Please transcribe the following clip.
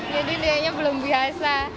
jadi dia belum biasa